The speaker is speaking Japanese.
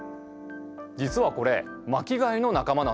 実はこれ巻き貝の仲間なんです。